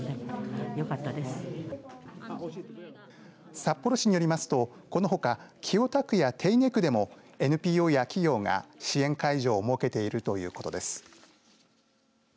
札幌市によりますと、このほか清田区や手稲区でもＮＰＯや企業が支援会場を設けているということです。